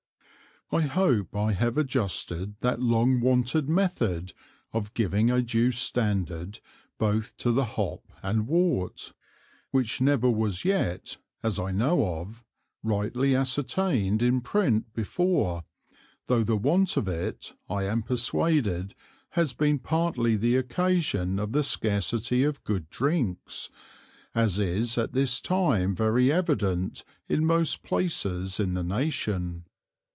_I hope I have adjusted that long wanted Method of giving a due Standard both to the Hop and Wort, which never was yet (as I know of) rightly ascertain'd in Print before, tho' the want of it I am perswaded has been partly the occasion of the scarcity of good Drinks, as is at this time very evident in most Places in the Nation.